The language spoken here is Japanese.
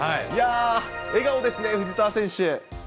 いやー、笑顔ですね、藤澤選手。